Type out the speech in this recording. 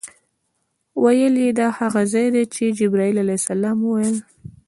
ویل یې دا هغه ځای دی چې جبرائیل علیه السلام وویل.